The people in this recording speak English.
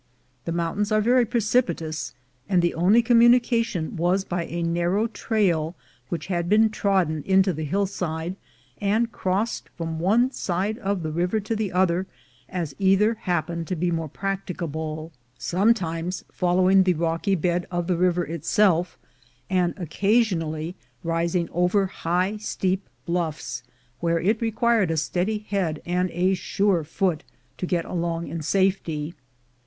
The mountains are very precipitous, and the only communication was by a narrow trail which had been trodden into the hillside, and crossed from one side of the river to the other, as either happened to be more practicable; sometimes following the rocky 2U THE GOLD HUNTERS bed of the river itself, and occasionally rising over high steep bluffs, v^^here it required a steady head and a sure foot to get along in safety.